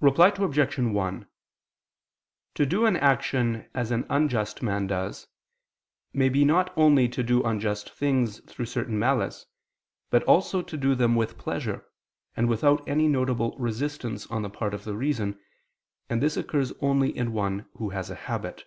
Reply Obj. 1: To do an action as an unjust man does, may be not only to do unjust things through certain malice, but also to do them with pleasure, and without any notable resistance on the part of reason, and this occurs only in one who has a habit.